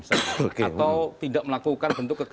atau tidak melakukan bentuk kekerasan